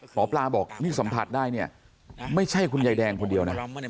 หมอปลาบอกนี่สัมผัสได้เนี่ยไม่ใช่คุณยายแดงคนเดียวนะ